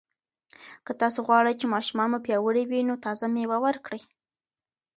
که تاسو غواړئ چې ماشومان مو پیاوړي وي، نو تازه مېوه ورکړئ.